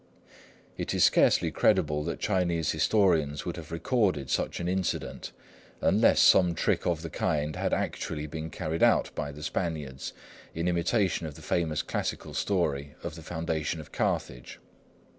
It is scarcely credible that Chinese historians would have recorded such an incident unless some trick of the kind had actually been carried out by the Spaniards, in imitation of the famous classical story of the foundation of Carthage.